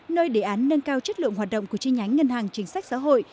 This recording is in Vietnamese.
nơi đề án nâng cao chất lượng hoạt động của chi nhánh ngân hàng chính sách xã hội